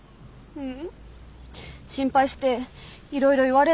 うん。